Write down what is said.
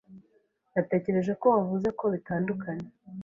Natekereje ko wavuze ko bitanduye.